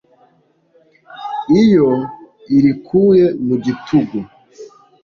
iyo irikuye mu gitugu